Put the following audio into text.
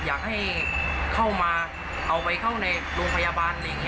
อยากให้เข้ามาเอาไปเข้าในโรงพยาบาลอะไรอย่างนี้